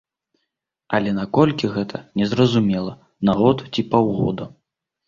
Але на колькі гэта, незразумела, на год ці паўгода.